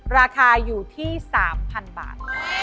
ราคาอยู่ที่๓๐๐๐บาท